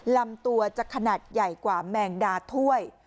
ลำตัวจะขนาดใหญ่กว่าแมงดาถ้วย